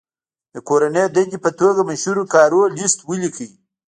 د کورنۍ دندې په توګه مشهورو کارونو لست ولیکئ.